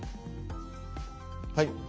はい。